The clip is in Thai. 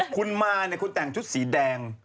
คุณมาคุณแต่งชุดสีแดง